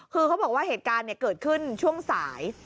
คือเขาบอกว่าเหตุการณ์เกิดขึ้นช่วงสาย